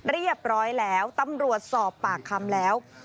เรียบร้อยแล้วตำรวจสอบปากคำแล้ว